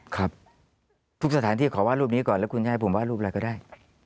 ครับทุกสถานที่ขอว่ารูปนี้ก่อนแล้วคุณจะให้ผมว่ารูปอะไรก็ได้